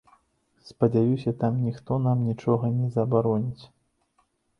Спадзяюся, там ніхто нам нічога не забароніць.